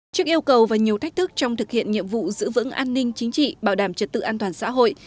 trước yêu cầu và nhiều thách thức trong thực hiện nhiệm vụ giữ vững an ninh chính trị bảo đảm trật tự an toàn xã hội